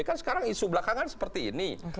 kan sekarang isu belakangan seperti ini